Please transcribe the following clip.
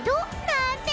なんて！